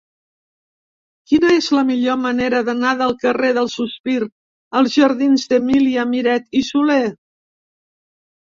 Quina és la millor manera d'anar del carrer del Sospir als jardins d'Emília Miret i Soler?